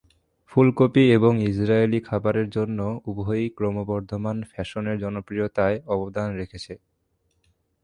ফুলকপি এবং ইস্রায়েলি খাবারের জন্য উভয়ই ক্রমবর্ধমান ফ্যাশন এর জনপ্রিয়তায় অবদান রেখেছে।